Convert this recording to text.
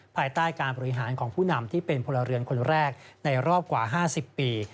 ภายใต้การบริหารของผู้นำที่เป็นพลเรือนคนแรกในรอบกว่า๕๐ปี